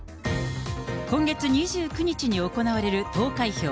今月２９日に行われる投開票。